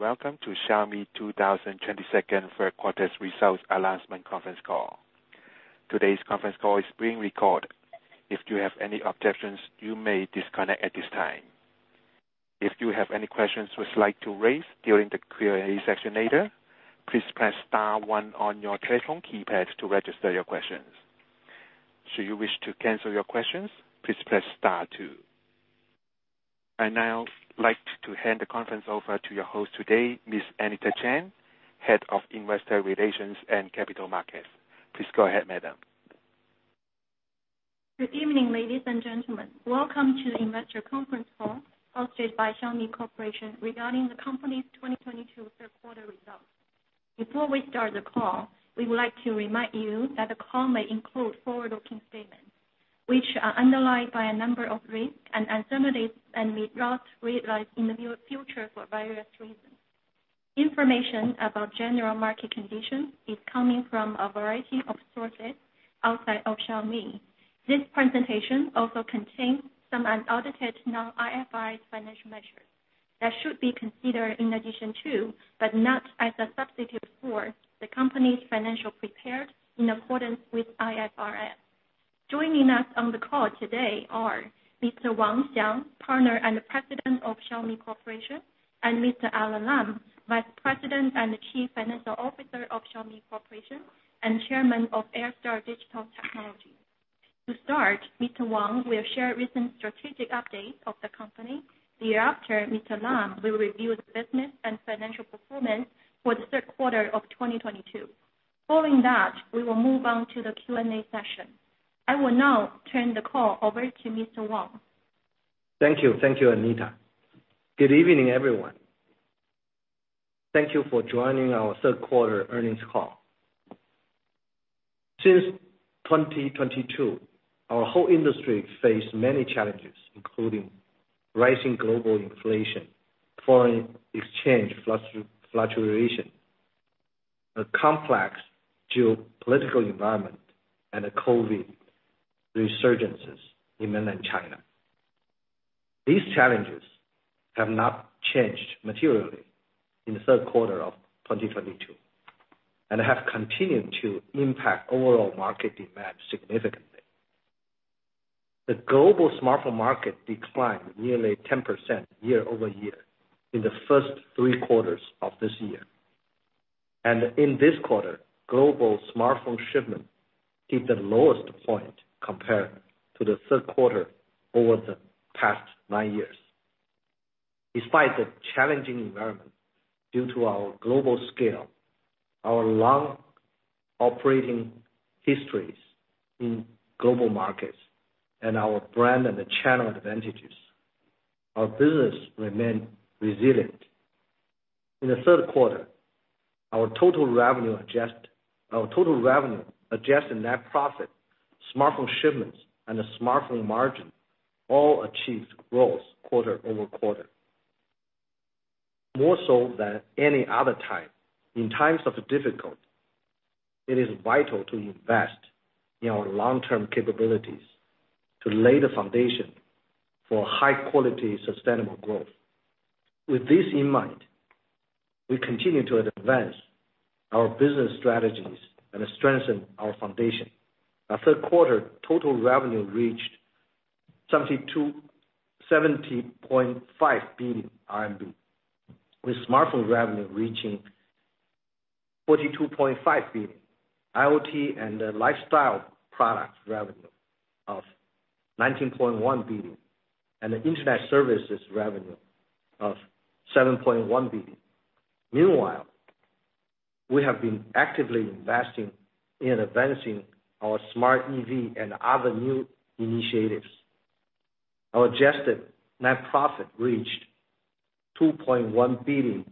Welcome to Xiaomi 2022 third quarter results announcement conference call. Today's conference call is being recorded. If you have any objections, you may disconnect at this time. If you have any questions you would like to raise during the Q&A section later, please press star one on your telephone keypad to register your questions. Should you wish to cancel your questions, please press star two. I'd now like to hand the conference over to your host today, Ms. Anita Chan, Head of Investor Relations and Capital Markets. Please go ahead, madam. Good evening, ladies and gentlemen. Welcome to the investor conference call hosted by Xiaomi Corporation regarding the company's 2022 third quarter results. Before we start the call, we would like to remind you that the call may include forward-looking statements, which are underlined by a number of risks and uncertainties, and may not realize in the future for various reasons. Information about general market conditions is coming from a variety of sources outside of Xiaomi. This presentation also contains some unaudited non-IFRS financial measures that should be considered in addition to, but not as a substitute for, the company's financial prepared in accordance with IFRS. Joining us on the call today are Mr. Wang Xiang, Partner and the President of Xiaomi Corporation, and Mr. Alain Lam, Vice President and the Chief Financial Officer of Xiaomi Corporation, and Chairman of Airstar Digital Technology. To start, Mr.Wang will share recent strategic updates of the company. Thereafter, Mr. Lam will review the business and financial performance for the third quarter of 2022. Following that, we will move on to the Q&A session. I will now turn the call over to Mr. Wang. Thank you. Thank you, Anita. Good evening, everyone. Thank you for joining our third quarter earnings call. Since 2022, our whole industry faced many challenges, including rising global inflation, foreign exchange fluctuation, a complex geopolitical environment, and the COVID resurgences in Mainland China. These challenges have not changed materially in the third quarter of 2022, and have continued to impact overall market demand significantly. The global smartphone market declined nearly 10% year-over-year in the first three quarters of this year. In this quarter, global smartphone shipment hit the lowest point compared to the third quarter over the past nine years. Despite the challenging environment, due to our global scale, our long operating histories in global markets, and our brand and the channel advantages, our business remained resilient. In the third quarter, our total revenue adjust... Our total revenue, adjusted net profit, smartphone shipments, and the smartphone margin all achieved growth quarter-over-quarter. More so than any other time, in times of difficult, it is vital to invest in our long-term capabilities to lay the foundation for high-quality, sustainable growth. With this in mind, we continue to advance our business strategies and strengthen our foundation. Our third quarter total revenue reached 70.5 billion RMB, with smartphone revenue reaching 42.5 billion, IoT and lifestyle products revenue of 19.1 billion, and the internet services revenue of 7.1 billion. Meanwhile, we have been actively investing in advancing our Smart EV and other new initiatives. Our adjusted net profit reached 2.1 billion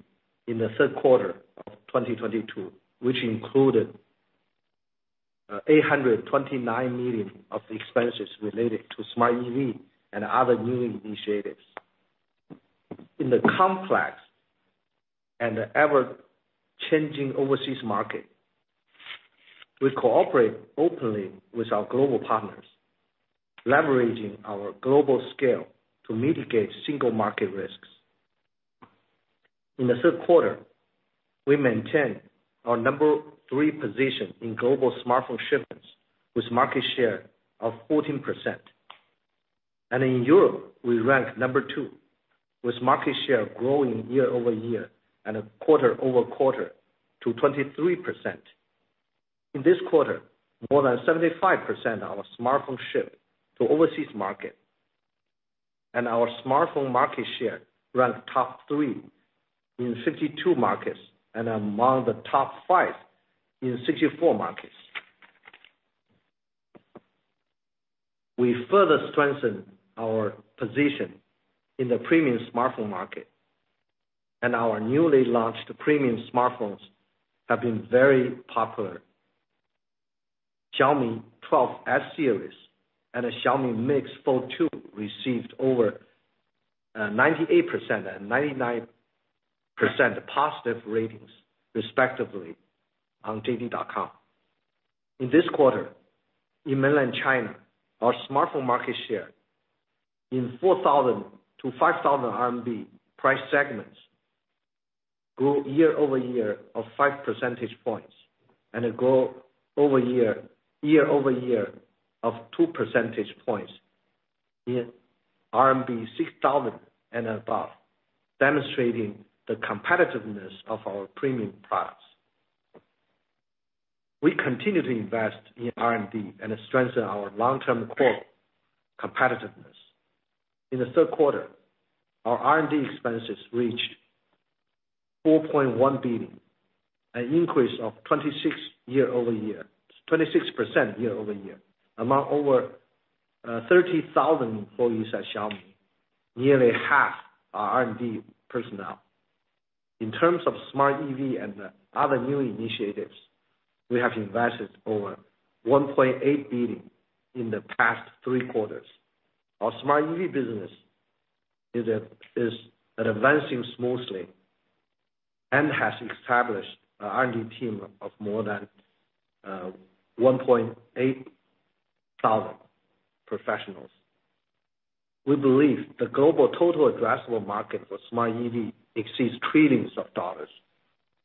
in the third quarter of 2022, which included 829 million of the expenses related to Smart EV and other new initiatives. In the complex and ever-changing overseas market, we cooperate openly with our global partners, leveraging our global scale to mitigate single market risks. In the third quarter, we maintained our number three position in global smartphone shipments with market share of 14%. In Europe, we rank number two, with market share growing year-over-year and quarter-over-quarter to 23%. In this quarter, more than 75% of our smartphone ship to overseas market. Our smartphone market share ranked top three in 52 markets, and among the top five in 64 markets. We further strengthen our position in the premium smartphone market, and our newly launched premium smartphones have been very popular. Xiaomi 12S Series and the Xiaomi Mix Fold 2 received over 98% and 99% positive ratings respectively on JD.com. In this quarter, in mainland China, our smartphone market share in 4,000-5,000 RMB price segments grew year-over-year of 5 percentage points and year-over-year of 2 percentage points in RMB 6,000 and above, demonstrating the competitiveness of our premium products. We continue to invest in R&D and strengthen our long-term core competitiveness. In the third quarter, our R&D expenses reached 4.1 billion, an increase of 26% year-over-year, among over 30,000 employees at Xiaomi, nearly half are R&D personnel. In terms of Smart EV and other new initiatives, we have invested over 1.8 billion in the past three quarters. Our Smart EV business is advancing smoothly and has established a R&D team of more than 1,800 professionals. We believe the global total addressable market for Smart EV exceeds trillions of dollars,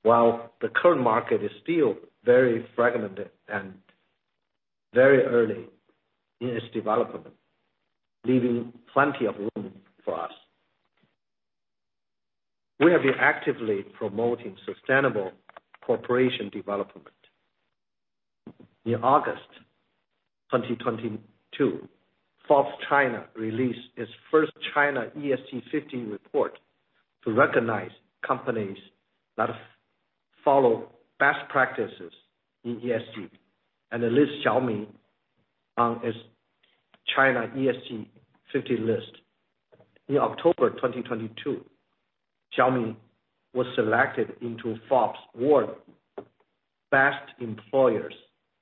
while the current market is still very fragmented and very early in its development, leaving plenty of room for us. We have been actively promoting sustainable corporation development. In August 2022, Forbes China released its first China ESG 50 report to recognize companies that follow best practices in ESG and it lists Xiaomi on its China ESG 50 list. In October 2022, Xiaomi was selected into Forbes World's Best Employers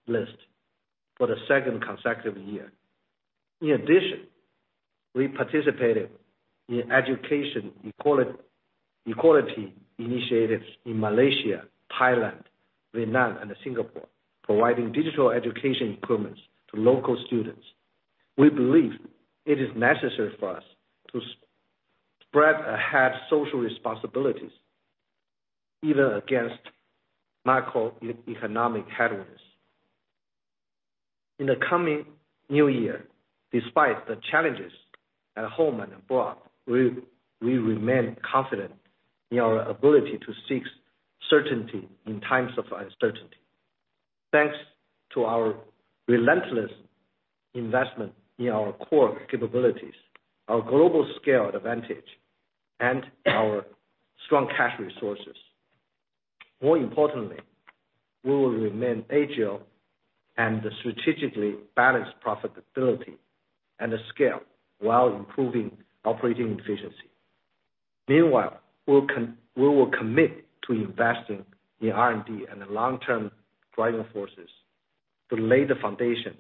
list for the second consecutive year. In addition, we participated in education equality initiatives in Malaysia, Thailand, Vietnam, and Singapore, providing digital education equipment to local students. We believe it is necessary for us to spread ahead social responsibilities, even against macroeconomic headwinds. In the coming new year, despite the challenges at home and abroad, we remain confident in our ability to seek certainty in times of uncertainty. Thanks to our relentless investment in our core capabilities, our global scale advantage, and our strong cash resources. More importantly, we will remain agile and strategically balanced profitability and scale while improving operating efficiency. Meanwhile, we will commit to investing in R&D and the long-term driving forces to lay the foundation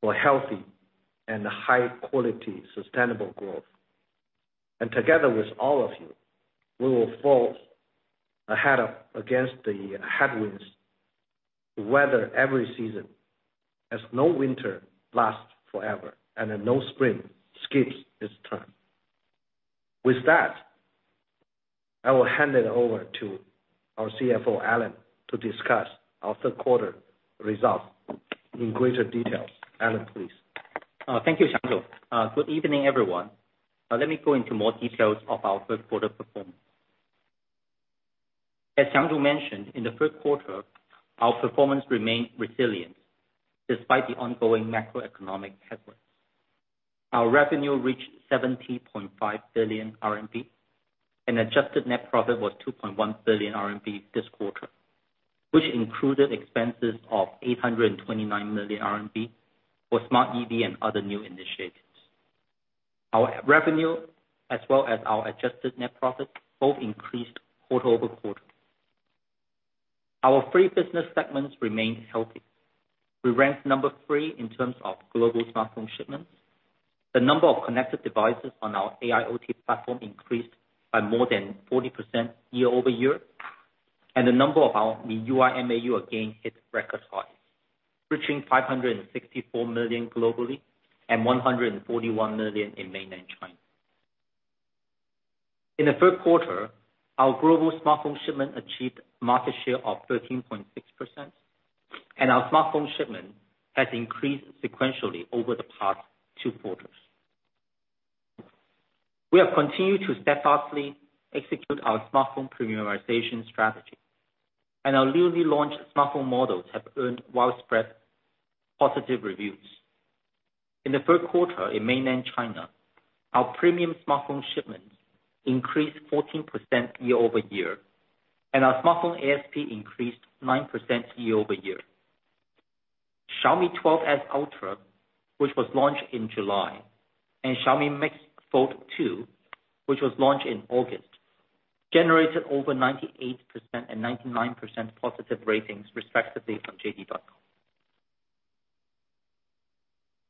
for healthy and high-quality, sustainable growth. Together with all of you, we will forge ahead of against the headwinds, to weather every season, as no winter lasts forever and no spring skips its turn. With that, I will hand it over to our CFO, Alain, to discuss our third quarter results in greater details. Alain, please. Thank you, Xiang. Good evening, everyone. Let me go into more details of our third quarter performance. As Xiang mentioned, in the third quarter, our performance remained resilient despite the ongoing macroeconomic headwinds. Our revenue reached 70.5 billion RMB, and adjusted net profit was 2.1 billion RMB this quarter, which included expenses of 829 million RMB for Smart EV and other new initiatives. Our revenue as well as our adjusted net profit both increased quarter-over-quarter. Our three business segments remained healthy. We ranked number three in terms of global smartphone shipments. The number of connected devices on our AIOT platform increased by more than 40% year-over-year, and the number of our MIUI MAU again hit record highs, reaching 564 million globally and 141 million in mainland China. In the third quarter, our global smartphone shipment achieved market share of 13.6%, and our smartphone shipment has increased sequentially over the past two quarters. We have continued to steadfastly execute our smartphone premiumization strategy, and our newly launched smartphone models have earned widespread positive reviews. In the third quarter in mainland China, our premium smartphone shipments increased 14% year-over-year, and our smartphone ASP increased 9% year-over-year. Xiaomi 12S Ultra, which was launched in July, and Xiaomi Mix Fold 2, which was launched in August, generated over 98% and 99% positive ratings, respectively, from JD.com.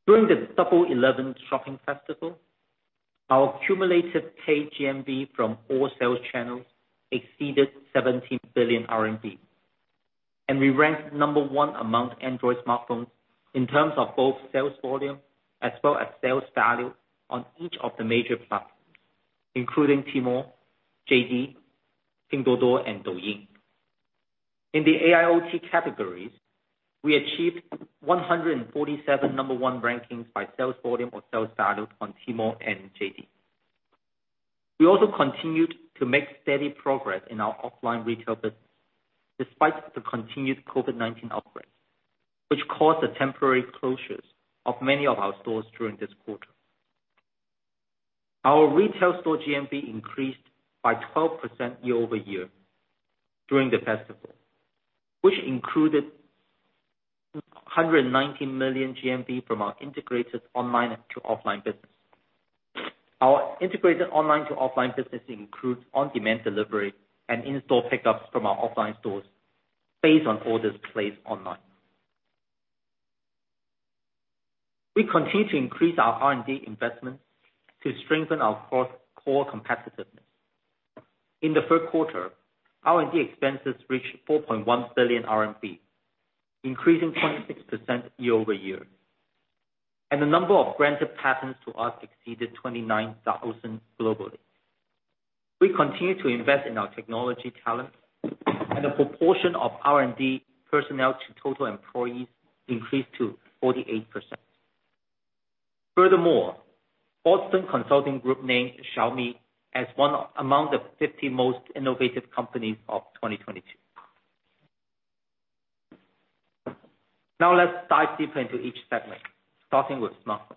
During the Double 11 shopping festival, our cumulative paid GMV from all sales channels exceeded 17 billion RMB. We ranked number one among Android smartphones in terms of both sales volume as well as sales value on each of the major platforms, including Tmall, JD, Pinduoduo and Douyin. In the AIOT categories, we achieved 147 number one rankings by sales volume or sales value on Tmall and JD. We also continued to make steady progress in our offline retail business despite the continued COVID-19 outbreaks, which caused the temporary closures of many of our stores during this quarter. Our retail store GMV increased by 12% year-over-year during the festival, which included 190 million GMV from our integrated online to offline business. Our integrated online to offline business includes on-demand delivery and in-store pickups from our offline stores based on orders placed online. We continue to increase our R&D investment to strengthen our cross-core competitiveness. In the third quarter, R&D expenses reached 4.1 billion RMB, increasing 26% year-over-year, and the number of granted patents to us exceeded 29,000 globally. We continue to invest in our technology talent, and the proportion of R&D personnel to total employees increased to 48%. Boston Consulting Group named Xiaomi as one among the 50 most innovative companies of 2022. Let's dive deeper into each segment, starting with smartphones.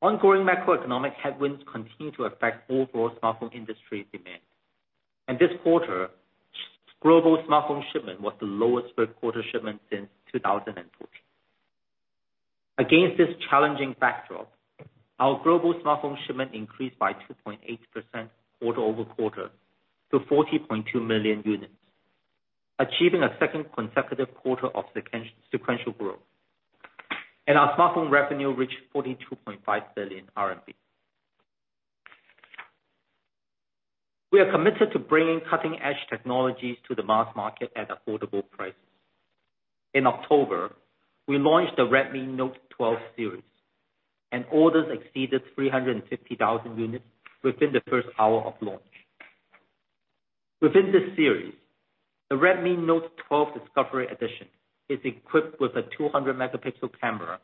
Ongoing macroeconomic headwinds continue to affect overall smartphone industry demand. This quarter, global smartphone shipment was the lowest third quarter shipment since 2014. Against this challenging backdrop, our global smartphone shipment increased by 2.8% quarter-over-quarter to 40.2 million units, achieving a second consecutive quarter of sequential growth. Our smartphone revenue reached 42.5 billion RMB. We are committed to bringing cutting-edge technologies to the mass market at affordable prices. In October, we launched the Redmi Note 12 series. Orders exceeded 350,000 units within the first hour of launch. Within this series, the Redmi Note 12 Discovery Edition is equipped with a 200-megapixel camera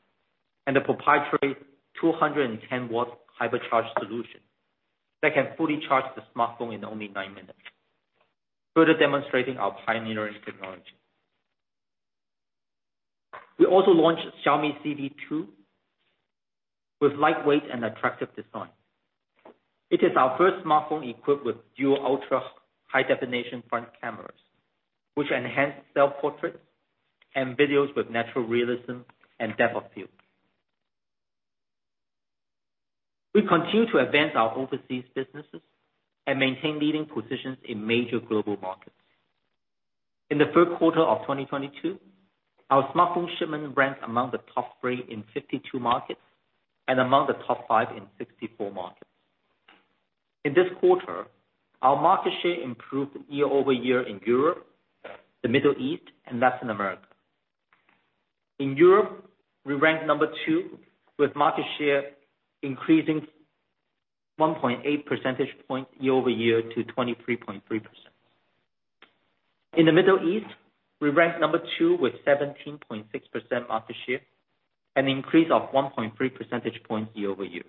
and a proprietary 210W HyperCharge solution that can fully charge the smartphone in only nine minutes, further demonstrating our pioneering technology. We also launched Xiaomi Civi 2 with lightweight and attractive design. It is our first smartphone equipped with dual ultra-high definition front cameras, which enhance self-portraits and videos with natural realism and depth of field. We continue to advance our overseas businesses and maintain leading positions in major global markets. In the third quarter of 2022, our smartphone shipment ranks among the top three in 52 markets and among the top five in 64 markets. In this quarter, our market share improved year-over-year in Europe, the Middle East, and Latin America. In Europe, we ranked two, with market share increasing 1.8 percentage point year-over-year to 23.3%. In the Middle East, we ranked two with 17.6% market share, an increase of 1.3 percentage point year-over-year.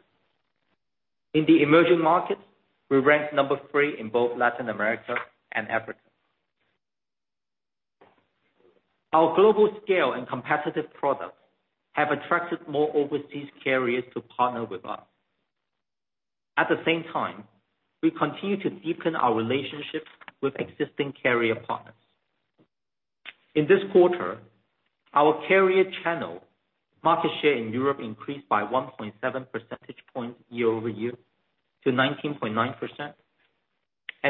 In the emerging markets, we ranked three in both Latin America and Africa. Our global scale and competitive products have attracted more overseas carriers to partner with us. We continue to deepen our relationships with existing carrier partners. In this quarter, our carrier channel market share in Europe increased by 1.7 percentage point year-over-year to 19.9%.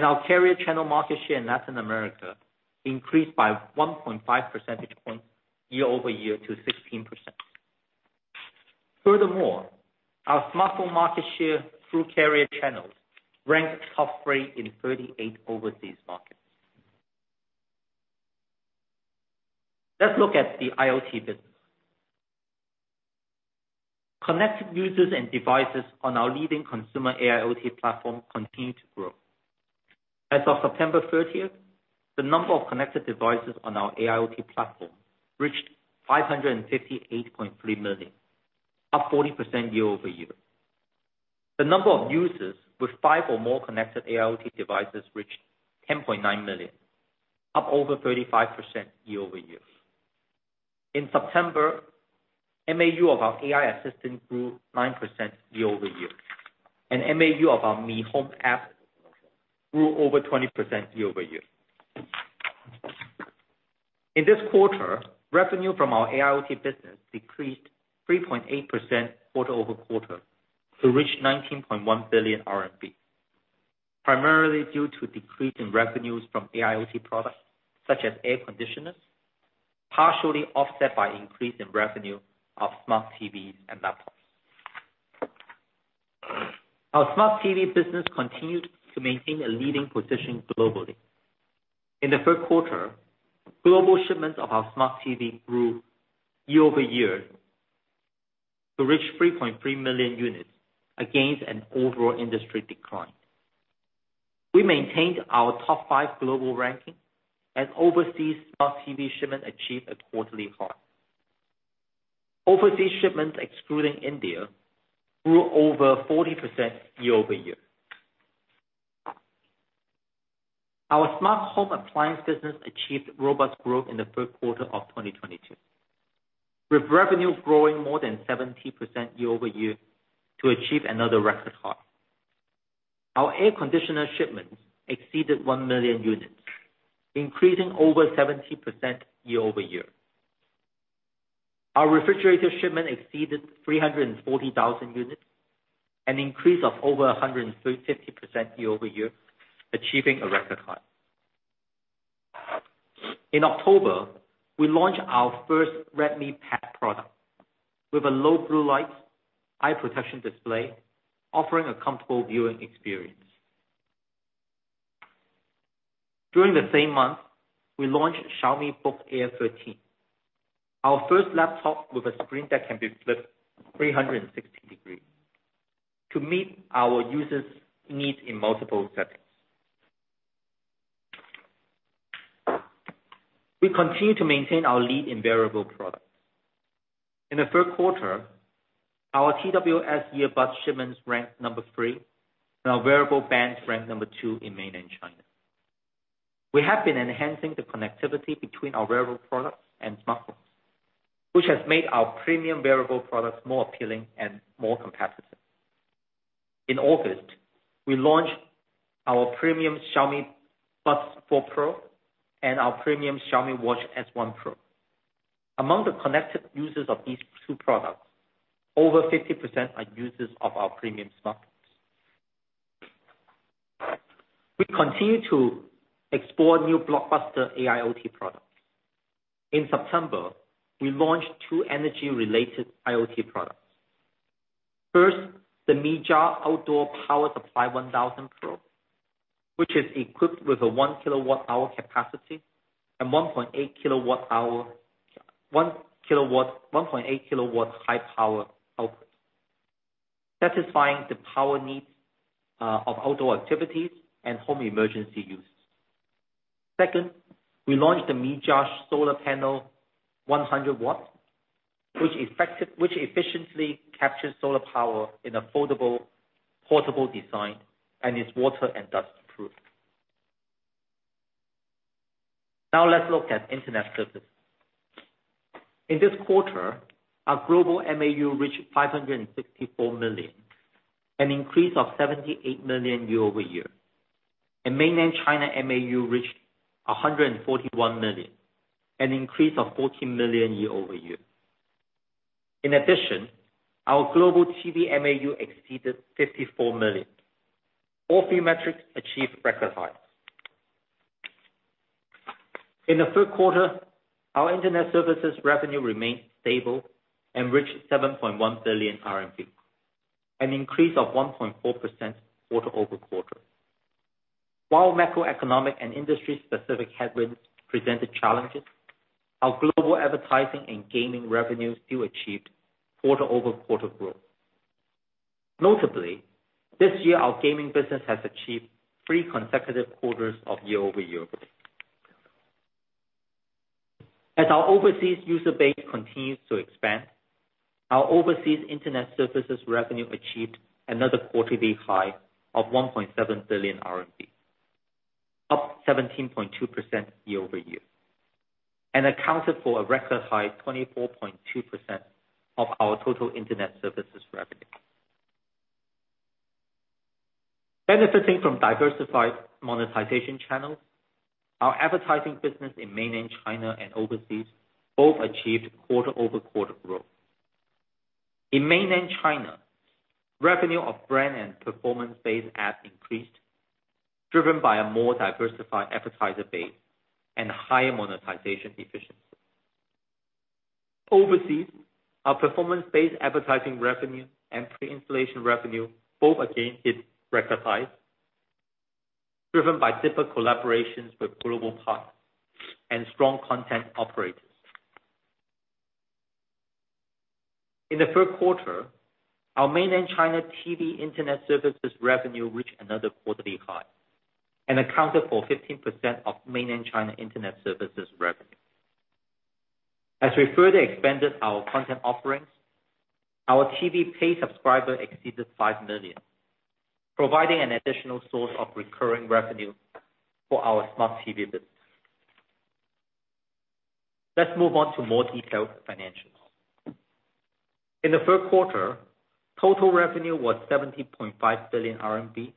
Our carrier channel market share in Latin America increased by 1.5 percentage point year-over-year to 16%. Our smartphone market share through carrier channels ranked top three in 38 overseas markets. Let's look at the IoT business. Connected users and devices on our leading consumer AIoT platform continued to grow. As of September 30th, the number of connected devices on our AIoT platform reached 558.3 million, up 40% year-over-year. The number of users with five or more connected AIoT devices reached 10.9 million, up over 35% year-over-year. In September, MAU of our AI assistant grew 9% year-over-year, and MAU of our Mi Home app grew over 20% year-over-year. In this quarter, revenue from our AIoT business decreased 3.8% quarter-over-quarter to reach 19.1 billion RMB, primarily due to decrease in revenues from AIoT products such as air conditioners, partially offset by increase in revenue of smart TVs and laptops. Our smart TV business continued to maintain a leading position globally. In the third quarter, global shipments of our smart TV grew year-over-year to reach 3.3 million units against an overall industry decline. We maintained our top five global ranking and overseas smart TV shipment achieved a quarterly high. Overseas shipments excluding India grew over 40% year-over-year. Our smart home appliance business achieved robust growth in the third quarter of 2022, with revenue growing more than 70% year-over-year to achieve another record high. Our air conditioner shipments exceeded 1 million units, increasing over 70% year-over-year. Our refrigerator shipment exceeded 340,000 units, an increase of over 150% year-over-year, achieving a record high. In October, we launched our first Redmi Pad product with a low blue light eye protection display, offering a comfortable viewing experience. During the same month, we launched Xiaomi Book Air 13, our first laptop with a screen that can be flipped 360 degrees to meet our users' needs in multiple settings. We continue to maintain our lead in wearable products. In the third quarter, our TWS earbuds shipments ranked number three and our wearable bands ranked number two in mainland China. We have been enhancing the connectivity between our wearable products and smartphones, which has made our premium wearable products more appealing and more competitive. In August, we launched our premium Xiaomi Buds 4 Pro and our premium Xiaomi Watch S1 Pro. Among the connected users of these two products, over 50% are users of our premium smartphones. We continue to explore new blockbuster AIOT products. In September, we launched two energy-related IoT products. First, the Mijia Outdoor Power Supply 1000 Pro, which is equipped with a 1 kWh capacity and 1.8 kWh, 1 kW, 1.8 kW high power output, satisfying the power needs of outdoor activities and home emergency uses. We launched the Mijia Solar Panel 100W, which efficiently captures solar power in a foldable, portable design and is water and dust proof. Let's look at internet services. In this quarter, our global MAU reached 564 million, an increase of 78 million year-over-year. In mainland China, MAU reached 141 million, an increase of 14 million year-over-year. Our global TV MAU exceeded 54 million. All three metrics achieved record highs. In the third quarter, our internet services revenue remained stable and reached 7.1 billion RMB, an increase of 1.4% quarter-over-quarter. Macroeconomic and industry specific headwinds presented challenges, our global advertising and gaming revenues still achieved quarter-over-quarter growth. This year our gaming business has achieved three consecutive quarters of year-over-year growth. As our overseas user base continues to expand, our overseas internet services revenue achieved another quarterly high of 1.7 billion RMB, up 17.2% year-over-year, and accounted for a record high 24.2% of our total internet services revenue. Benefiting from diversified monetization channels, our advertising business in mainland China and overseas both achieved quarter-over-quarter growth. In mainland China, revenue of brand and performance-based ads increased, driven by a more diversified advertiser base and higher monetization efficiency. Overseas, our performance-based advertising revenue and pre-installation revenue both again hit record highs, driven by deeper collaborations with global partners and strong content operators. In the third quarter, our mainland China TV internet services revenue reached another quarterly high and accounted for 15% of mainland China internet services revenue. As we further expanded our content offerings, our TV paid subscriber exceeded 5 million, providing an additional source of recurring revenue for our smart TV business. Let's move on to more detailed financials. In the third quarter, total revenue was 70.5 billion RMB,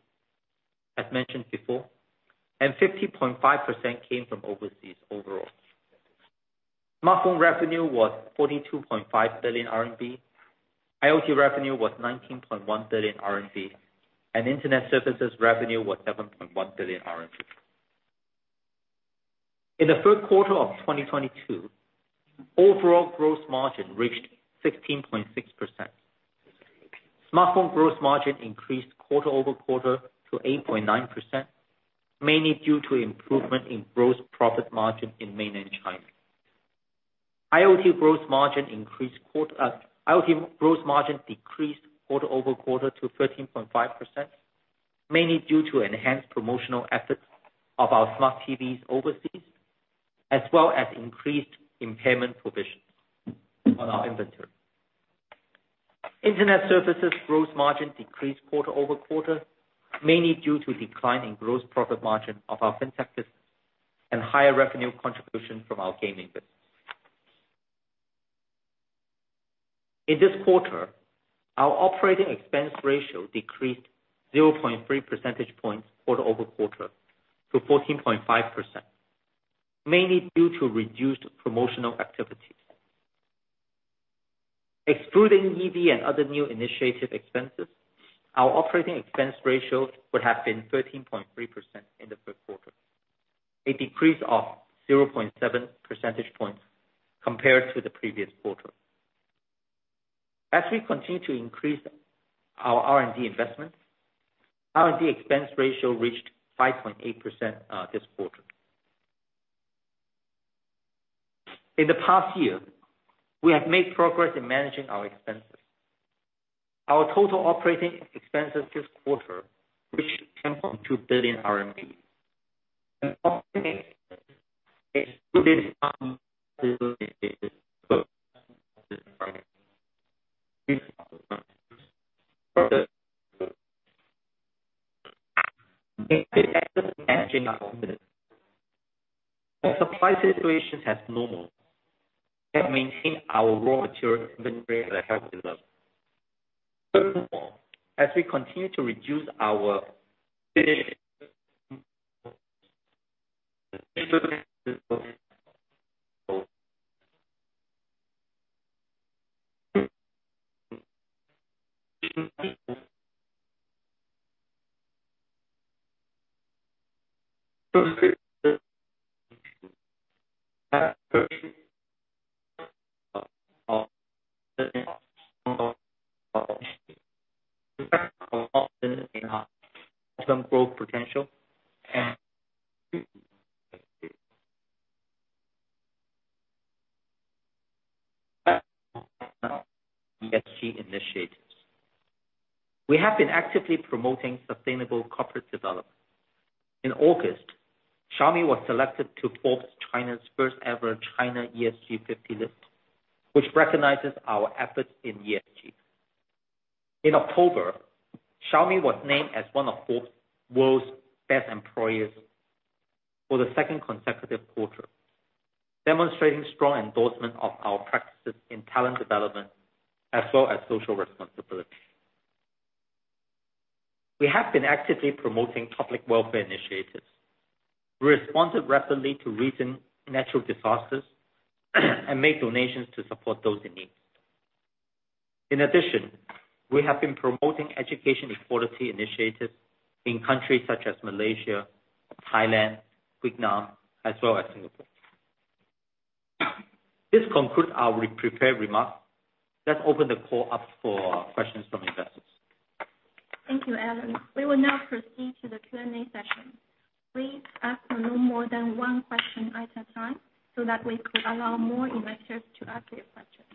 as mentioned before, and 50.5% came from overseas overall. Smartphone revenue was 42.5 billion RMB. IoT revenue was 19.1 billion RMB, and internet services revenue was 7.1 billion RMB. In the third quarter of 2022, overall gross margin reached 16.6%. Smartphone gross margin increased quarter-over-quarter to 8.9%, mainly due to improvement in gross profit margin in mainland China. IoT gross margin increased quarter... IoT gross margin decreased quarter-over-quarter to 13.5%, mainly due to enhanced promotional efforts of our smart TVs overseas, as well as increased impairment provisions on our inventory. Internet services gross margin decreased quarter-over-quarter, mainly due to decline in gross profit margin of our fintech business and higher revenue contribution from our gaming business. In this quarter, our operating expense ratio decreased 0.3 percentage points quarter-over-quarter to 14.5%, mainly due to reduced promotional activities. Excluding EV and other new initiative expenses, our operating expense ratio would have been 13.3% in the third quarter, a decrease of 0.7 percentage points compared to the previous quarter. As we continue to increase our R&D investments, R&D expense ratio reached 5.8% this quarter. In the past year, we have made progress in managing our expenses. Our total operating expenses this quarter reached RMB 10.2 billion. The supply situation has normalized that maintain our raw material inventory at a healthy level. Furthermore, as we continue to reduce our some growth potential and ESG initiatives. We have been actively promoting sustainable corporate development. In August, Xiaomi was selected to Forbes China's first ever China ESG 50 list, which recognizes our efforts in ESG. In October, Xiaomi was named as one of Forbes World's Best Employers for the second consecutive quarter, demonstrating strong endorsement of our practices in talent development as well as social responsibility. We have been actively promoting public welfare initiatives. We responded rapidly to recent natural disasters and made donations to support those in need. We have been promoting education equality initiatives in countries such as Malaysia, Thailand, Vietnam, as well as Singapore. This concludes our re-prepared remarks. Let's open the call up for questions from investors. Thank you, Alain. We will now proceed to the Q&A session. Please ask no more than one question at a time so that we could allow more investors to ask their questions.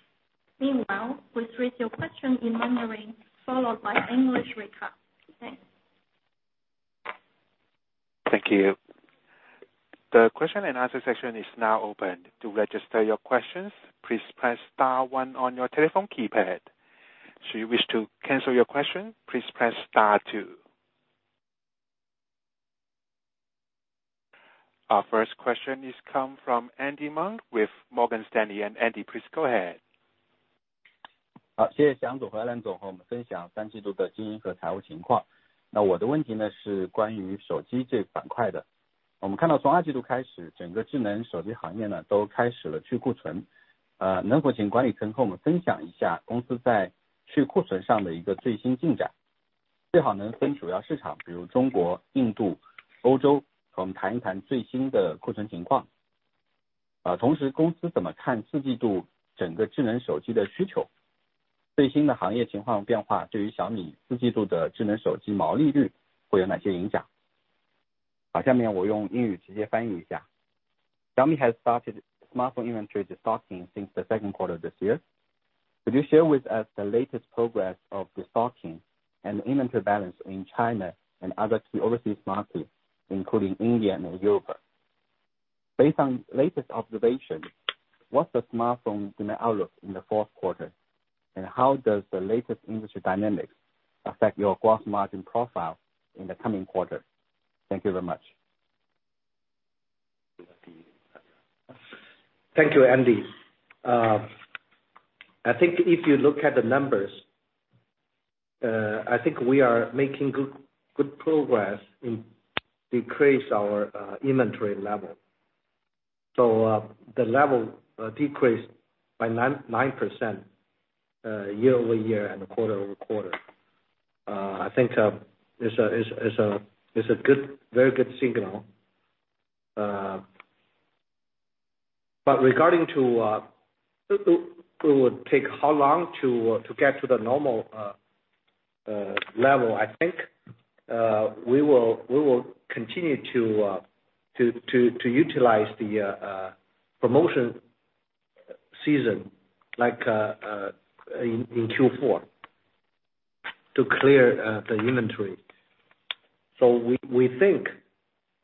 Meanwhile, we'll state your question in Mandarin followed by English recap. Thanks. Thank you. The question and answer section is now open. To register your questions, please press star one on your telephone keypad. Should you wish to cancel your question, please press star two. Our first question is come from Andy Meng with Morgan Stanley. Andy, please go ahead. Xiaomi has started smartphone inventory destocking since the second quarter of this year. Could you share with us the latest progress of destocking and inventory balance in China and other key overseas markets, including India and Europe? Based on latest observation, what's the smartphone demand outlook in the fourth quarter, and how does the latest industry dynamics affect your growth margin profile in the coming quarter? Thank you very much. Thank you, Andy. I think if you look at the numbers, I think we are making good progress in decrease our inventory level. The level decreased by 9% year-over-year and quarter-over-quarter. I think is a good, very good signal. Regarding to, would take how long to get to the normal level, I think we will continue to utilize the promotion season like in Q4 to clear the inventory. We think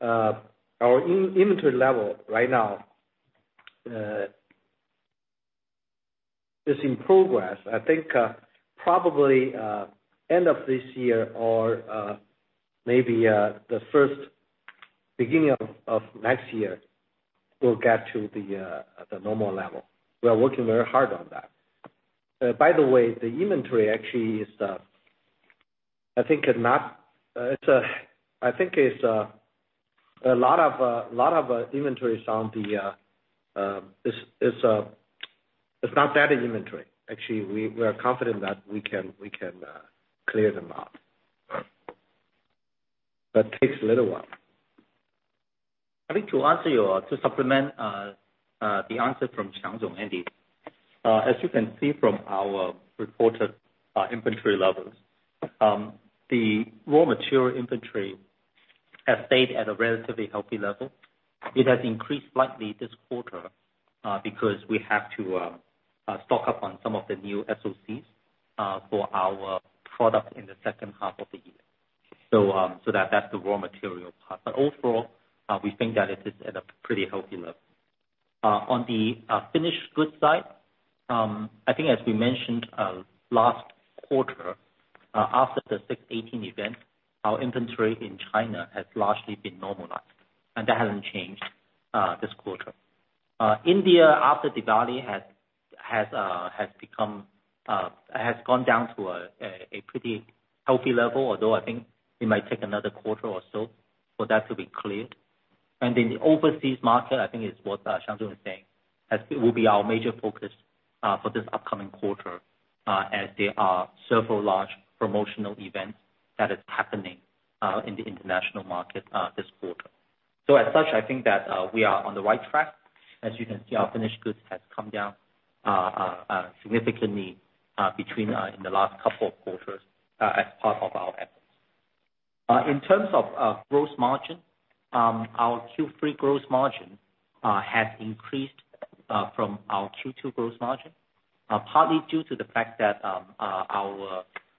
our inventory level right now is in progress. I think probably end of this year or maybe the first beginning of next year, we'll get to the normal level. We are working very hard on that. By the way, the inventory actually is, I think is not, it's, I think it's a lot of inventory is on the, is, it's not bad inventory. Actually we're confident that we can clear them out. Takes a little while. I think to answer to supplement the answer from Xiang, Andy. As you can see from our reported inventory levels, the raw material inventory has stayed at a relatively healthy level. It has increased slightly this quarter because we have to stock up on some of the new SoCs for our product in the second half of the year. That's the raw material part. Overall, we think that it is at a pretty healthy level. On the finished goods side, I think as we mentioned last quarter, after the 618 event, our inventory in China has largely been normalized, and that hasn't changed this quarter. India after Diwali has become, has gone down to a pretty healthy level, although I think it might take another quarter or so for that to be cleared. In the overseas market, I think it's what Xiang was saying, as it will be our major focus for this upcoming quarter, as there are several large promotional events that is happening in the international market this quarter. As such, I think that we are on the right track. As you can see, our finished goods has come down significantly between in the last couple of quarters, as part of our efforts. In terms of gross margin, our Q3 gross margin has increased from our Q2 gross margin, partly due to the fact that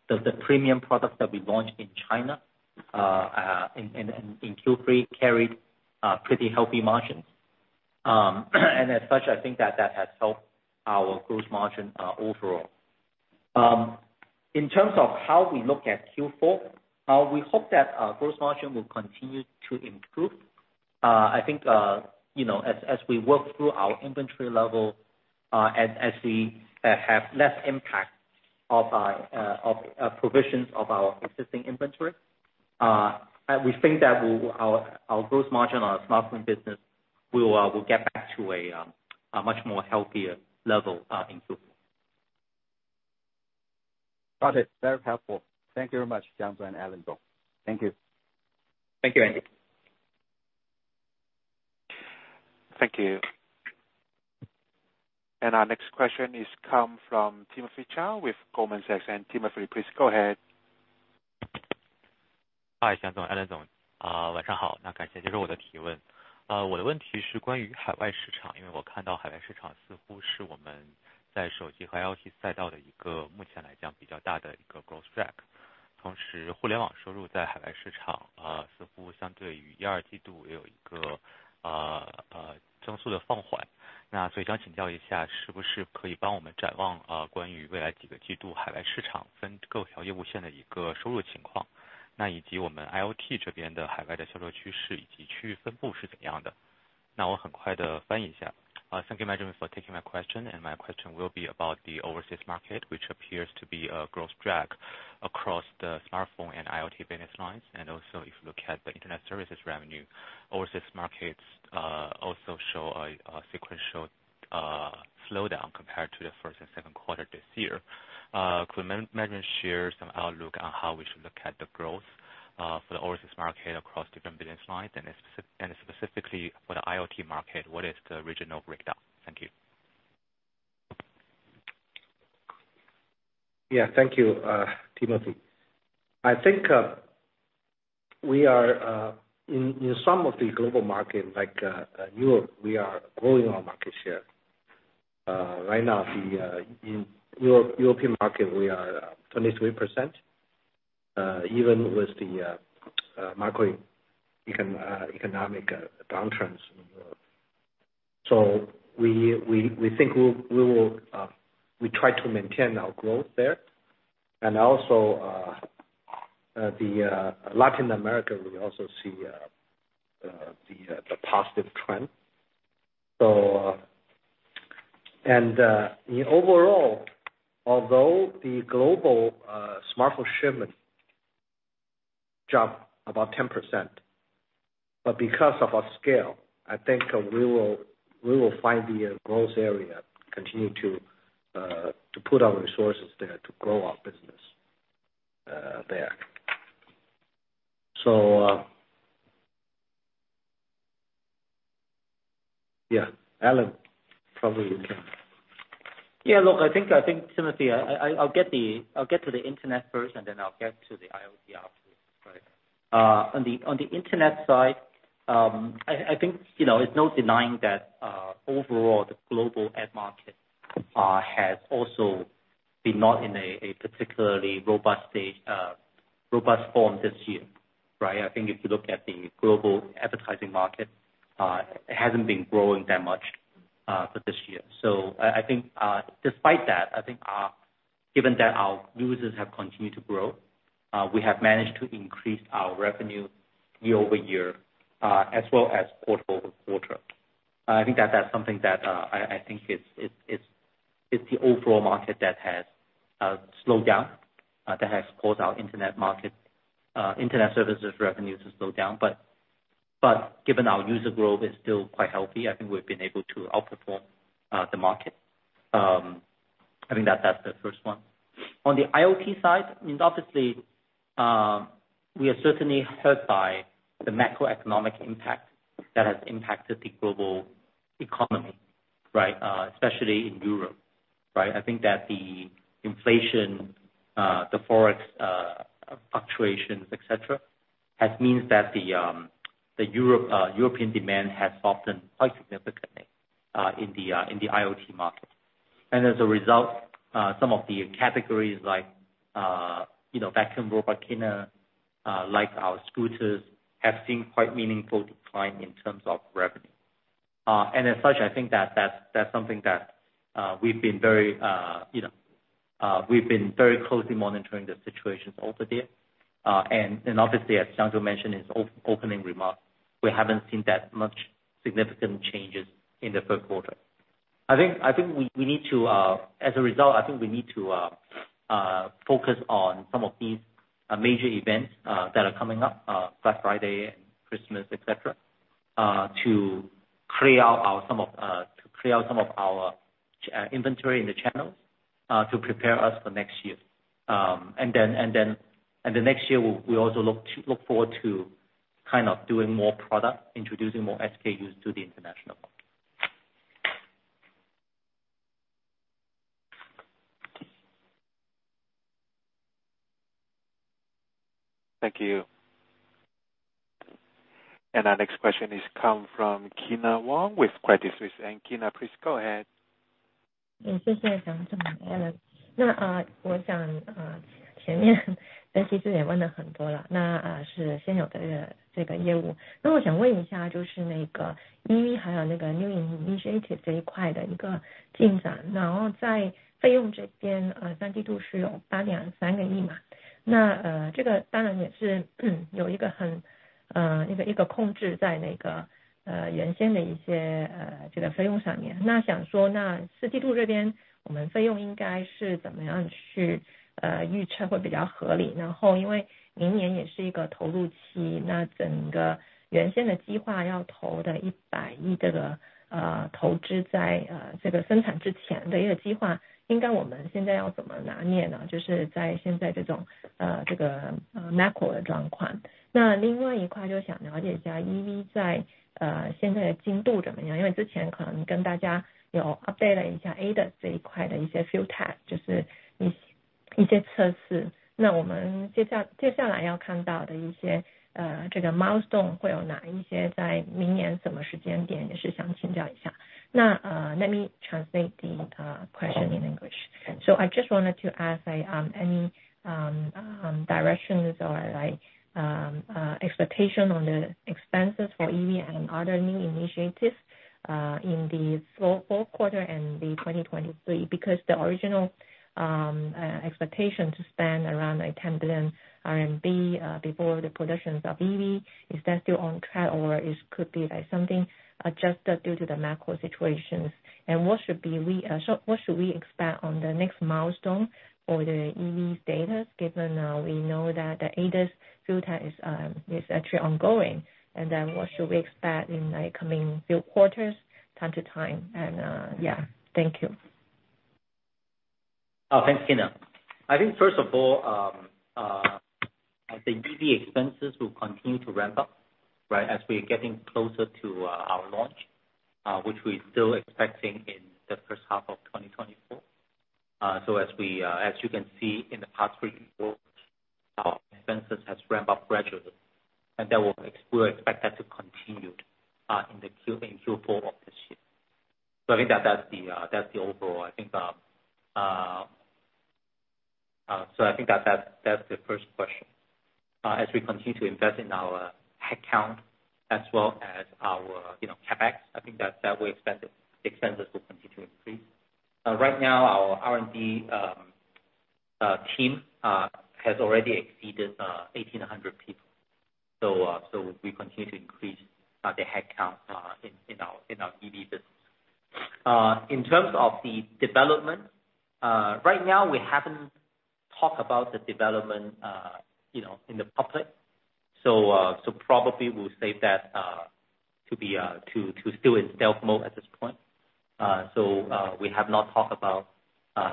the premium products that we launched in China in Q3 carried pretty healthy margins. As such, I think that that has helped our gross margin overall. In terms of how we look at Q4, we hope that our gross margin will continue to improve. I think, you know, as we work through our inventory level, and as we have less impact of provisions of our existing inventory, we think that our gross margin on our smartphone business will get back to a much more healthier level in Q4. Got it. Very helpful. Thank you very much, Wang Xiang and Alain Lam. Thank you. Thank you, Andy. Thank you. Our next question is come from Timothy Zhao with Goldman Sachs. Timothy, please go ahead. Hi, Wang Xiang, Alain Lam. Thank you management for taking my question. My question will be about the overseas market, which appears to be a growth drag across the smartphone and IoT business lines. Also if you look at the Internet services revenue, overseas markets also show a sequential slowdown compared to the first and second quarter this year. Could management share some outlook on how we should look at the growth for the overseas market across different business lines? Specifically for the IoT market, what is the regional breakdown? Thank you. Yeah. Thank you, Timothy. I think, we are in some of the global market like Europe, we are growing our market share. Right now the in Euro-European market, we are 23%, even with the micro economic downturns. We think we'll, we will, we try to maintain our growth there. Also, the Latin America, we also see the positive trend. In overall, although the global smartphone shipment drop about 10%. Because of our scale, I think we will find the growth area, continue to put our resources there to grow our business there. Yeah. Alain, probably you can. Yeah. Look, I think, Timothy, I'll get to the internet first, and then I'll get to the IoT after, right? On the internet side, I think, you know, it's no denying that overall the global ad market has also been not in a particularly robust state, robust form this year, right? I think if you look at the global advertising market, it hasn't been growing that much for this year. I think despite that, I think given that our users have continued to grow, we have managed to increase our revenue year-over-year, as well as quarter-over-quarter. I think that that's something that, I think it's the overall market that has slowed down, that has caused our internet market, internet services revenues to slow down. Given our user growth is still quite healthy, I think we've been able to outperform the market. I think that that's the first one. On the IoT side, I mean, obviously, we are certainly hurt by the macroeconomic impact that has impacted the global economy, right? Especially in Europe, right? I think that the inflation, the Forex, fluctuations, et cetera, has means that the Europe, European demand has softened quite significantly in the IoT market. As a result, some of the categories like, you know, vacuum robot cleaner, like our scooters, have seen quite meaningful decline in terms of revenue. As such, I think that's something that we've been very closely monitoring the situations over there. Obviously, as Xiang mentioned in his opening remarks, we haven't seen that much significant changes in the third quarter. I think we need to, as a result, I think we need to focus on some of these major events that are coming up, Black Friday and Christmas, et cetera, to clear out some of our inventory in the channels, to prepare us for next year. Next year, we also look forward to kind of doing more product, introducing more SKUs to the international market. Thank you. Our next question is come from Kyna Wong with Credit Suisse. Kyna, please go ahead. Let me translate the question in English. I just wanted to ask, like, any directions or like expectation on the expenses for EV and other new initiatives in the fourth quarter and 2023. Because the original expectation to spend around like 10 billion RMB before the productions of EV. Is that still on track or is could be like something adjusted due to the macro situations? What should we expect on the next milestone for the EV status, given we know that the ADAS filter is actually ongoing? What should we expect in like coming few quarters time to time? Thank you. Oh, thanks, Kyna. I think first of all, I think EV expenses will continue to ramp up, right? As we are getting closer to our launch, which we're still expecting in the first half of 2024. As we, as you can see in the past three reports, our expenses has ramped up gradually, and that we'll expect that to continue in Q4 of this year. I think that that's the, that's the overall. I think that that's the first question. As we continue to invest in our headcount as well as our, you know, CapEx, I think that we expect the expenses will continue to increase. Right now our R&D team has already exceeded 1,800 people. We continue to increase the headcount in our EV business. In terms of the development, right now we haven't talked about the development, you know, in the public. Probably we'll say that to be still in stealth mode at this point. We have not talked about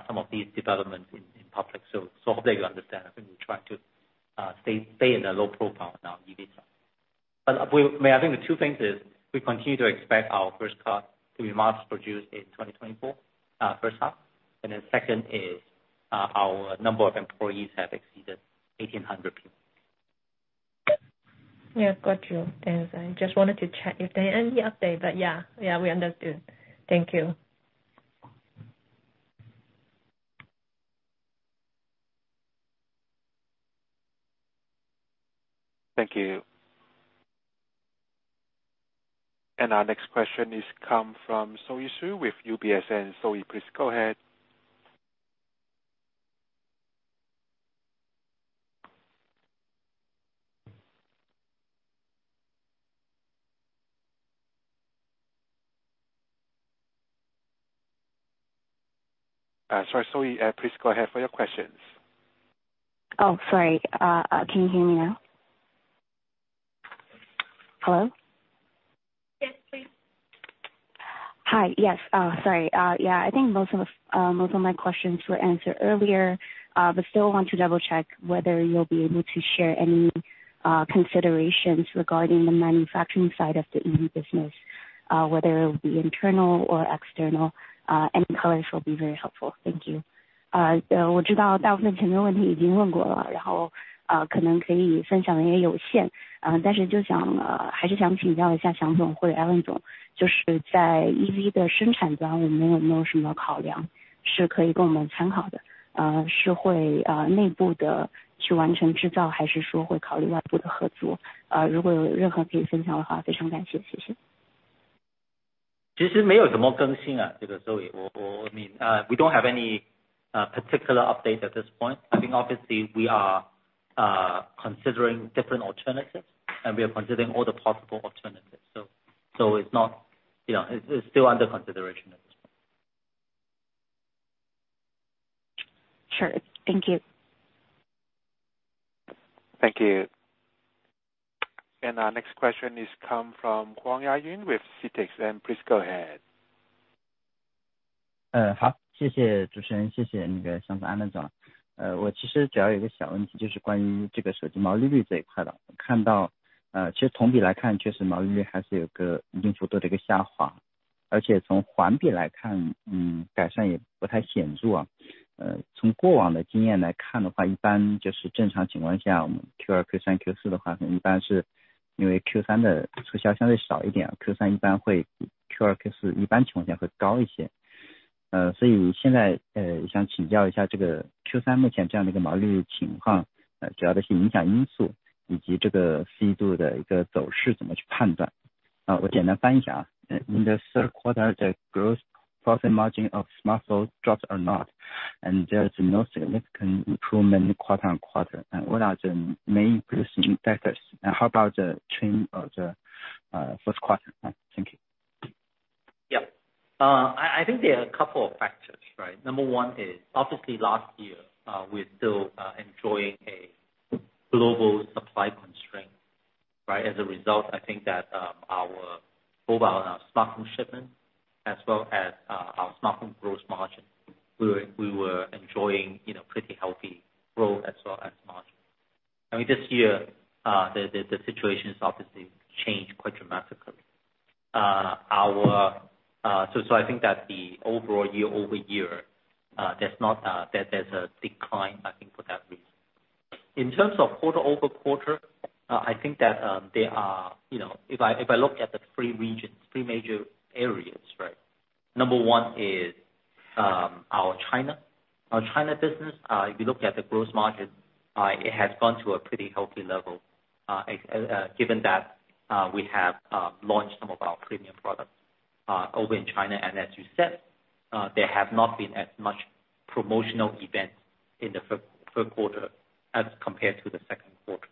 some of these developments in public. Hopefully you understand. I think we try to stay in a low profile on our EV side. I think the two things is we continue to expect our first car to be mass produced in 2024, first half, and then second is, our number of employees have exceeded 1,800 people. Yeah. Got you. Thanks. I just wanted to check if there are any update. Yeah. Yeah, we understood. Thank you. Thank you. Our next question is come from Zoe Xu with UBS. Zoe Xu, please go ahead. Sorry, Zoe Xu, please go ahead for your questions. Oh, sorry. Can you hear me now? Hello? Yes, please. Hi. Yes. Sorry. Yeah, I think most of my questions were answered earlier, but still want to double check whether you'll be able to share any considerations regarding the manufacturing side of the EV business, whether it would be internal or external. Any colors will be very helpful. Thank you. I mean, we don't have any particular update at this point. I think obviously we are considering different alternatives, and we are considering all the possible alternatives. It's not, you know, it's still under consideration at this point. Sure. Thank you. Thank you. Our next question is come from Wang Yanyun with CITIC Securities. Please go ahead. In the third quarter, the gross profit margin of smartphone dropped or not, and there's no significant improvement quarter-on-quarter. What are the main pushing factors? How about the trend of the first quarter? Thank you. Yeah. I think there are a couple of factors, right? Number one is obviously last year, we're still enjoying a global supply constraint, right? As a result, I think that our mobile and our smartphone shipment as well as our smartphone gross margin, we were enjoying, you know, pretty healthy growth as well as margin. I mean, this year, the situation has obviously changed quite dramatically. I think that the overall year-over-year, there's not a decline, I think, for that reason. In terms of quarter-over-quarter, I think that, you know, if I look at the three regions, three major areas, right? Number one is our China. Our China business, if you look at the gross margin, it has gone to a pretty healthy level, given that we have launched some of our premium products over in China. As you said, there have not been as much promotional events in the first quarter as compared to the second quarter.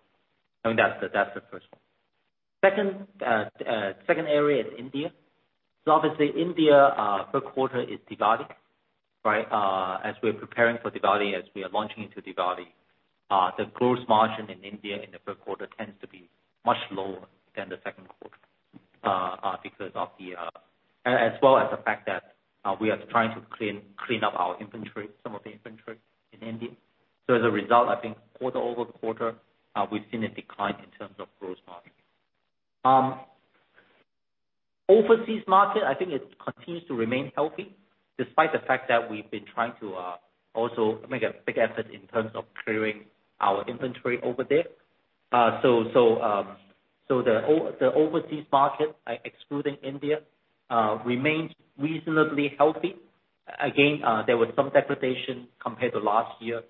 I mean, that's the first one. Second area is India. Obviously India, first quarter is Diwali, right? As we're preparing for Diwali, as we are launching into Diwali, the gross margin in India in the first quarter tends to be much lower than the second quarter because of the as well as the fact that we are trying to clean up our inventory, some of the inventory in India. As a result, I think quarter-over-quarter, we've seen a decline in terms of gross margin. Overseas market, I think it continues to remain healthy despite the fact that we've been trying to also make a big effort in terms of clearing our inventory over there. The overseas market, excluding India, remains reasonably healthy. Again, there was some degradation compared to last year,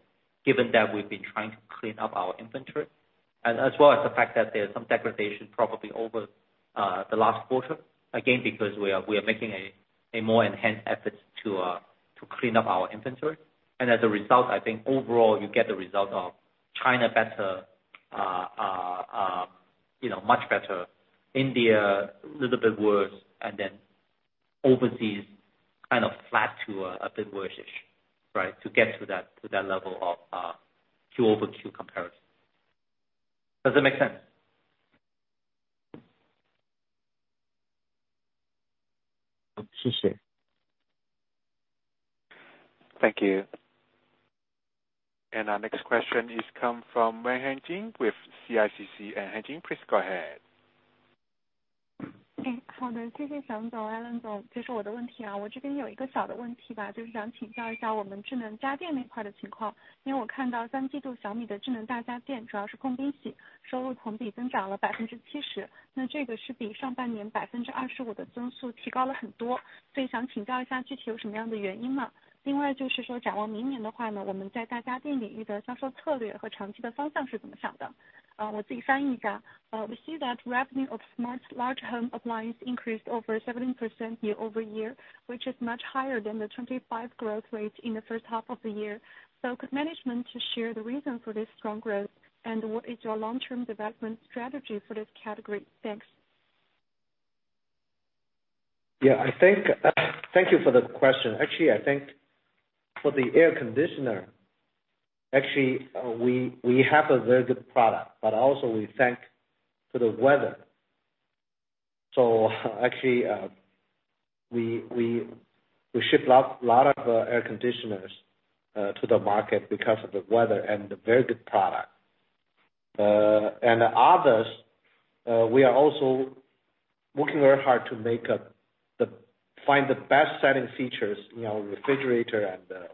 given that we've been trying to clean up our inventory, as well as the fact that there's some degradation probably over the last quarter, again, because we are making a more enhanced effort to. Clean up our inventory. As a result, I think overall you get the result of China better, you know, much better, India, little bit worse, and then overseas kind of flat to a bit worse-ish, right? To get to that level of quarter-over-quarter comparison. Does that make sense? Thank you. Our next question is come from with CICC. please go ahead. Hey. We see that revenue of smart large home appliance increased over 17% year-over-year, which is much higher than the 25% growth rate in the first half of the year. Could management share the reason for this strong growth? What is your long-term development strategy for this category? Thanks. Thank you for the question. Actually, for the air conditioner, actually, we have a very good product, but also we thank to the weather. Actually, we ship lot of air conditioners to the market because of the weather and the very good product. And others, we are also working very hard to make up the find the best setting features in our refrigerator and the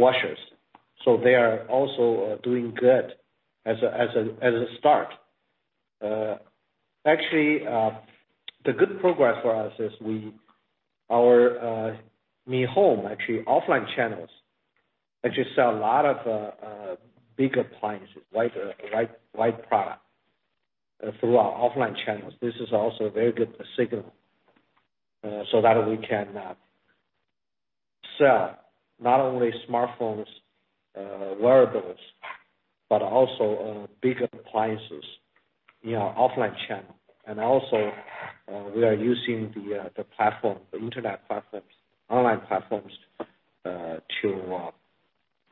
washers. They are also doing good as a start. Actually, the good progress for us is our Mi Home, actually offline channels actually sell a lot of big appliances, white product through our offline channels. This is also a very good signal, so that we can sell not only smartphones, wearables, but also bigger appliances in our offline channel. We are using the platform, the internet platforms, online platforms, to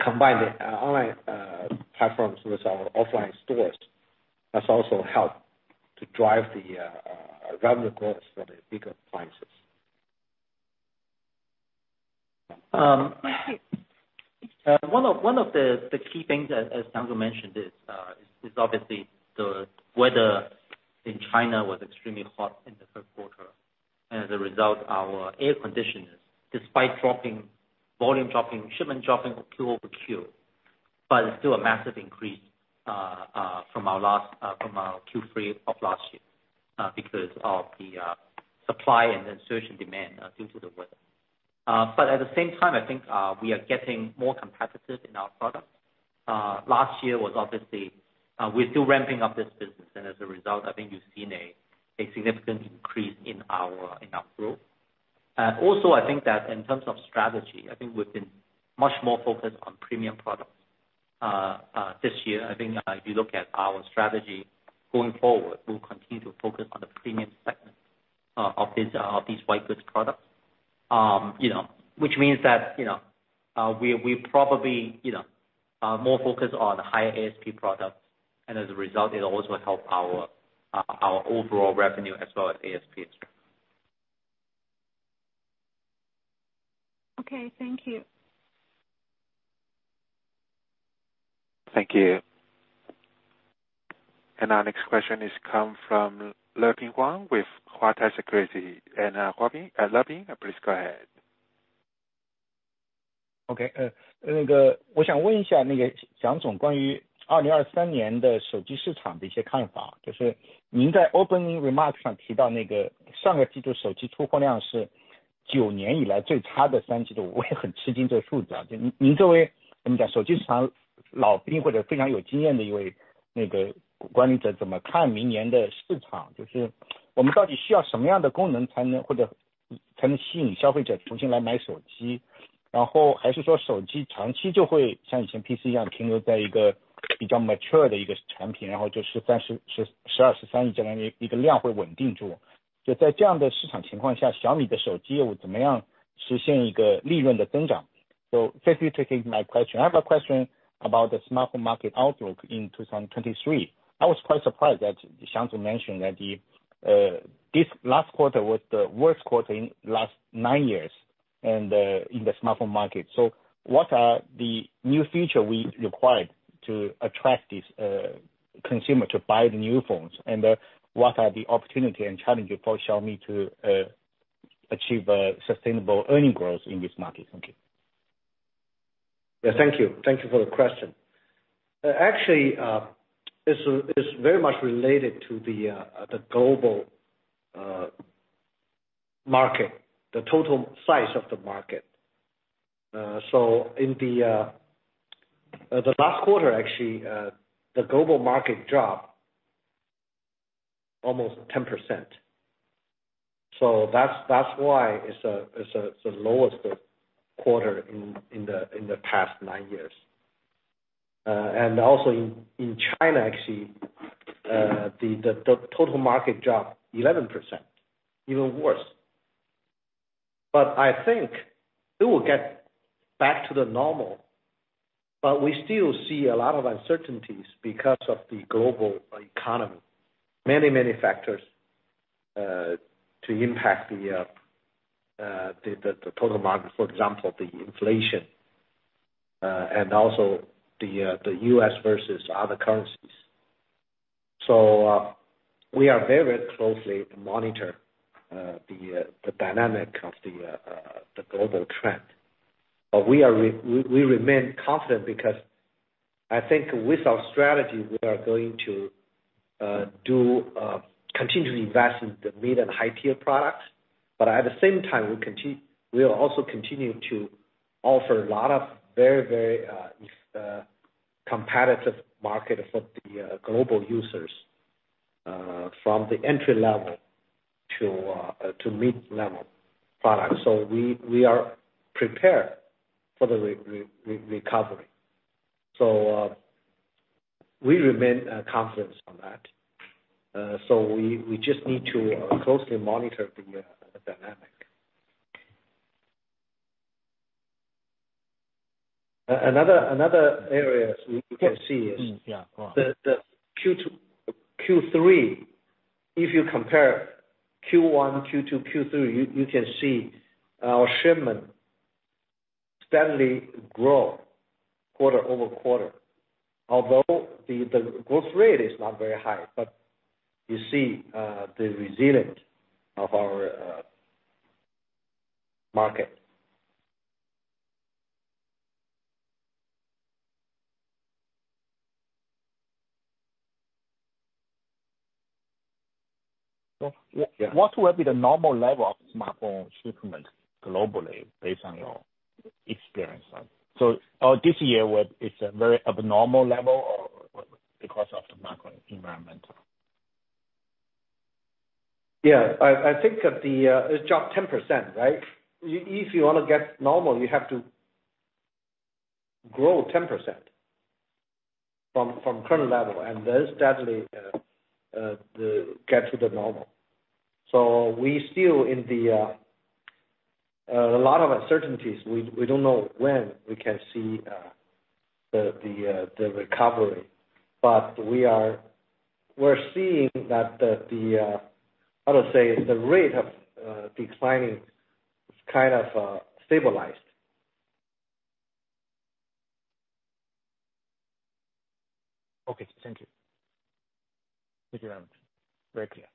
combine the online platforms with our offline stores. That's also helped to drive the revenue growth for the bigger appliances. Thank you. One of the key things as Xiang mentioned is obviously the weather in China was extremely hot in the third quarter. As a result, our air conditioners, despite dropping, volume dropping, shipment dropping Q-over-Q, but it's still a massive increase from our last, from our Q3 of last year, because of the supply and the surge in demand due to the weather. At the same time, I think, we are getting more competitive in our products. Last year was obviously, we're still ramping up this business, as a result, I think you've seen a significant increase in our growth. Also, I think that in terms of strategy, I think we've been much more focused on premium products this year. I think, if you look at our strategy going forward, we'll continue to focus on the premium segment of these, of these white goods products. You know, which means that, you know, we probably, you know, more focused on higher ASP products, and as a result, it'll also help our overall revenue as well as ASP as well. Okay, thank you. Thank you. Our next question is come from Leping Huang with Huatai Securities. Leping, please go ahead. Okay. Thank you for taking my question. I have a question about the smartphone market outlook in 2023. I was quite surprised that Wang Xiang mentioned that the this last quarter was the worst quarter in last nine years in the smartphone market. What are the new feature we required to attract these consumer to buy the new phones? What are the opportunity and challenge for Xiaomi to achieve sustainable earning growth in this market? Thank you. Yeah, thank you. Thank you for the question. Actually, it's very much related to the global market, the total size of the market. In the last quarter, actually, the global market dropped almost 10%. That's, that's why it's the lowest quarter in the past nine years. And also in China, actually, the total market dropped 11%, even worse. I think it will get back to the normal, but we still see a lot of uncertainties because of the global economy. Many, many factors to impact the total market, for example, the inflation, and also the U.S. versus other currencies. We are very closely monitor the dynamic of the global trend. We remain confident because I think with our strategy, we are going to continue to invest in the mid and high-tier products. At the same time, we'll also continue to offer a lot of very, very competitive market for the global users, from the entry level to mid-level products. We are prepared for the recovery. We remain confident on that. We just need to closely monitor the dynamic. Another area we can see is. Yeah, go on. The Q3, if you compare Q1, Q2 to Q3, you can see our shipment steadily grow quarter-over-quarter. Although the growth rate is not very high, but you see the resilience of our market. So wha- Yeah. What will be the normal level of smartphone shipment globally based on your experience then? Is a very abnormal level or because of the macro environmental? Yeah. I think that the it dropped 10%, right? If you wanna get normal, you have to grow 10% from current level, and then steadily get to the normal. We still in a lot of uncertainties. We don't know when we can see the recovery, but we're seeing that how to say? The rate of declining is kind of stabilized. Okay. Thank you. Thank you, Alain. Very clear.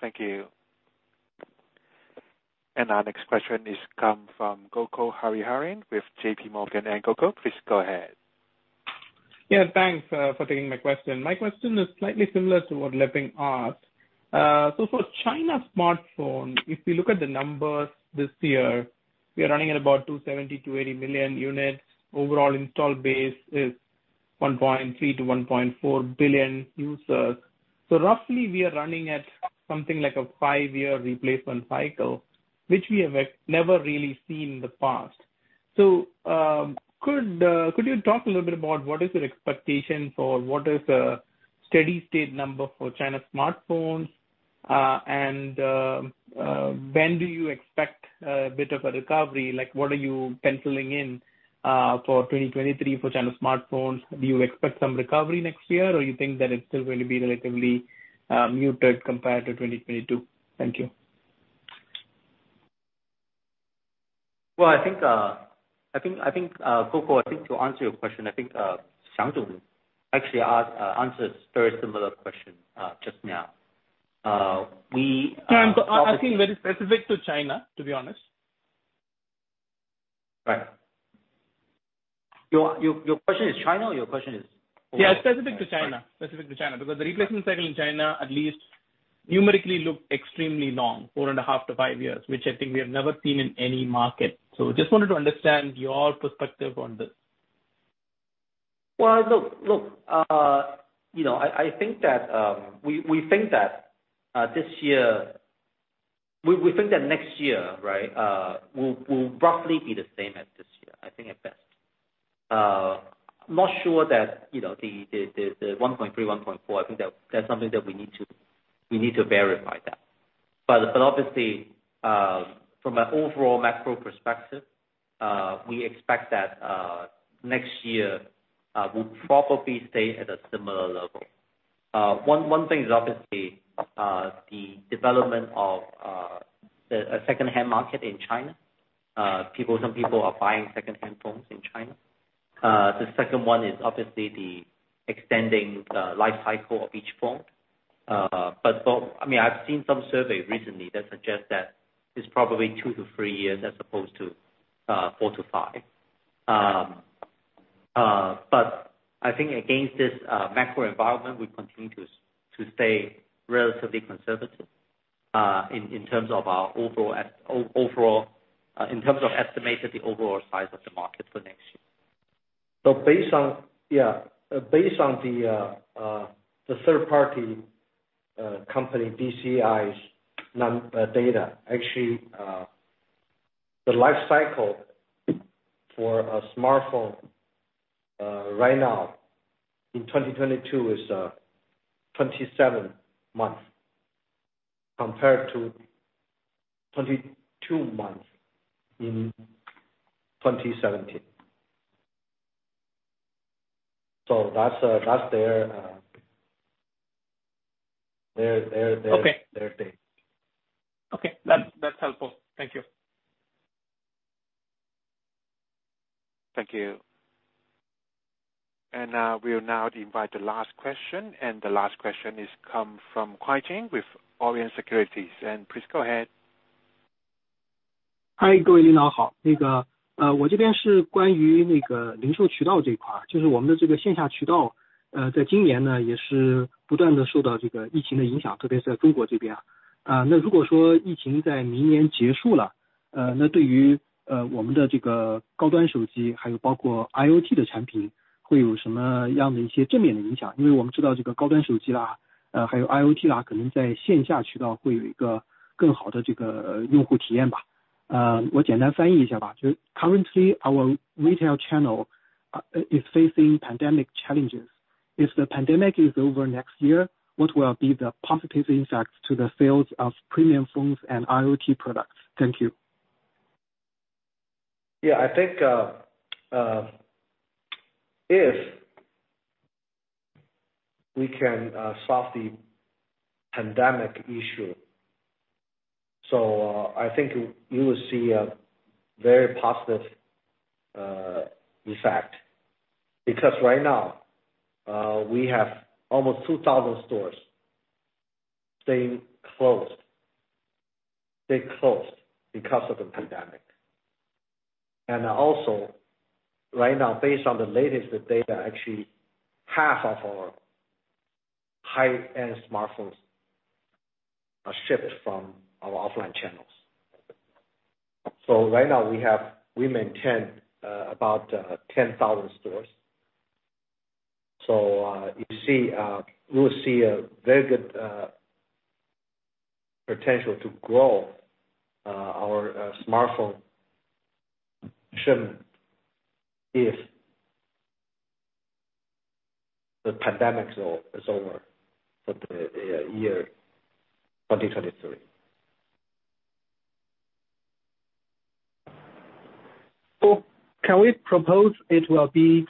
Thank you. Our next question is come from Gokul Hariharan with JPMorgan and Co. Please go ahead. Yeah. Thanks for taking my question. My question is slightly similar to what Leping asked. For China smartphone, if we look at the numbers this year, we are running at about 270 million-280 million units. Overall install base is 1.3 billion-1.4 billion users. Roughly we are running at something like a five-year replacement cycle, which we have never really seen in the past. Could you talk a little bit about what is your expectation for what is a steady state number for China smartphones? When do you expect a bit of a recovery? Like, what are you penciling in for 2023 for China smartphones? Do you expect some recovery next year, or you think that it's still going to be relatively muted compared to 2022? Thank you. I think, Gokul, I think to answer your question, I think, Xiang actually asked, answered very similar question, just now. We. No, I'm talking very specific to China, to be honest. Right. Your question is China or your question is overall? Yeah, specific to China. Sorry. Specific to China. Because the replacement cycle in China at least numerically look extremely long, 4.5 years-5 years, which I think we have never seen in any market. just wanted to understand your perspective on this. Look, you know, I think that, we think that this year... We think that next year, right, will roughly be the same as this year, I think at best. I'm not sure that, you know, the 1.3, 1.4, I think that's something that we need to verify that. Obviously, from an overall macro perspective, we expect that next year, we'll probably stay at a similar level. One thing is obviously the development of a secondhand market in China. Some people are buying secondhand phones in China. The second one is obviously the extending lifecycle of each phone. I mean, I've seen some survey recently that suggest that it's probably two to three years as opposed to four to five. I think against this macro environment, we continue to stay relatively conservative in terms of our overall in terms of estimating the overall size of the market for next year. Based on, yeah, based on the third party company [DCI's] data, actually, the life cycle for a smartphone right now in 2022 is 27 months compared to 22 months in 2017. That's their. Okay. Their data. Okay. That's helpful. Thank you. Thank you. We'll now invite the last question, and the last question is come from Kuai Jian with Orient Securities. Please go ahead. Hi, currently, our retail channel is facing pandemic challenges. If the pandemic is over next year, what will be the positive impacts to the sales of premium phones and IoT products? Thank you. I think if we can solve the pandemic issue, I think you will see a very positive effect. Right now, we have almost 2,000 stores staying closed. They closed because of the pandemic. Also right now, based on the latest data, actually half of our high-end smartphones are shipped from our offline channels. Right now we maintain about 10,000 stores. You see, we'll see a very good potential to grow our smartphone shipment if the pandemic is over for the year 2023. Can we propose it will be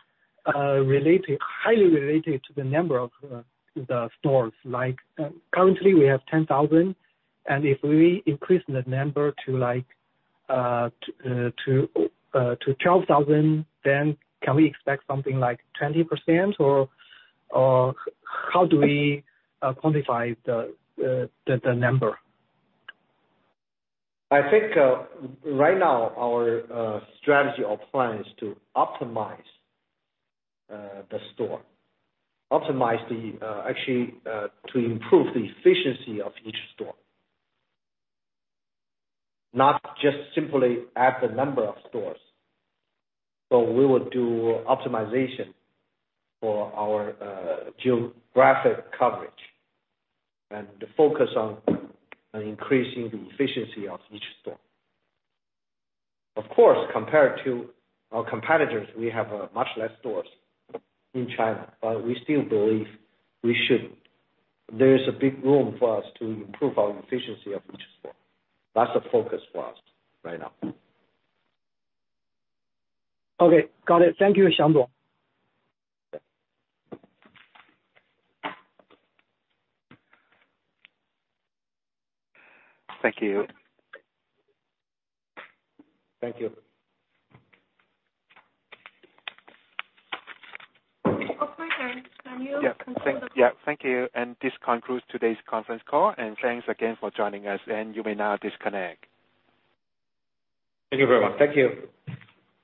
related, highly related to the number of the stores? Like, currently we have 10,000, and if we increase the number to like, to 12,000, then can we expect something like 20%? Or, how do we quantify the number? I think right now our strategy or plan is to optimize the store. Optimize the actually to improve the efficiency of each store, not just simply add the number of stores. We will do optimization for our geographic coverage and to focus on increasing the efficiency of each store. Of course, compared to our competitors, we have much less stores in China, but we still believe we should. There is a big room for us to improve our efficiency of each store. That's the focus for us right now. Okay. Got it. Thank you, Xiang. Thank you. Thank you. Yeah. Thank you. This concludes today's conference call, and thanks again for joining us. You may now disconnect. Thank you very much. Thank you.